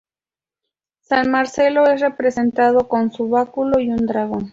San Marcelo es representado con su báculo y un dragón.